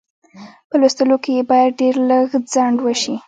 په لوستلو کې یې باید ډېر لږ ځنډ وشي.